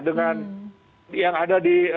dengan yang ada di